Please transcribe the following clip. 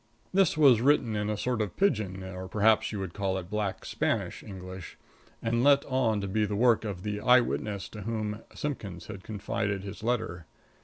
This was written in a sort of pigeon, or perhaps you would call it black Spanish, English, and let on to be the work of the eyewitness to whom Simpkins had confided his letter.